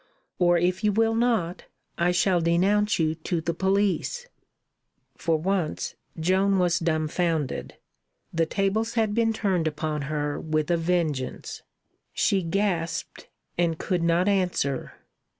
Or, if you will not, I shall denounce you to the police." For once, Joan was dumfounded. The tables had been turned upon her with a vengeance. She gasped, and could not answer.